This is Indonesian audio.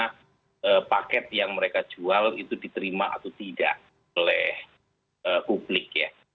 karena paket yang mereka jual itu diterima atau tidak oleh publik ya